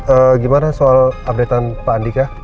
eh gimana soal update pak andika